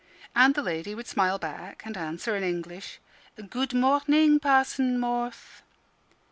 And the lady would smile back and answer in English. "Good morning, Parson Morth."